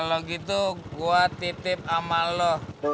kalau gitu gua titip ama lo